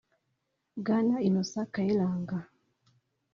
Bwana Innocent Kayiranga